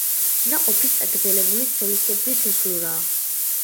ნაყოფი წაგრძელებული სოლისებრი თესლურაა.